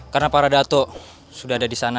karena para dato sudah ada di sana